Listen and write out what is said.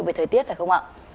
về thời tiết phải không ạ